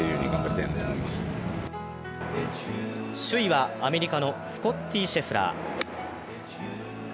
首位はアメリカのスコッティ・シェフラー。